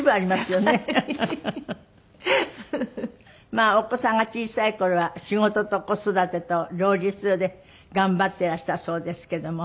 まあお子さんが小さい頃は仕事と子育てと両立で頑張っていらしたそうですけども。